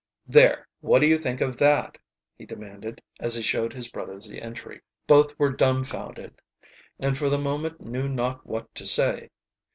"There, what do you think of that?" he demanded, as he showed his brothers the entry. Both were dumfounded, and for the moment knew not what to say.